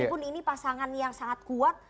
meskipun ini pasangan yang sangat kuat